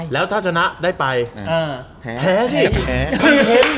แล้วถ้าจังนะได้ไปแพ้สิ